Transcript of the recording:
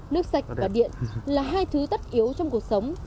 nước sạch và điện là hai thứ tất yếu trong cuộc sống